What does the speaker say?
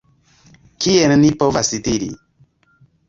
Kiel ni povas diri?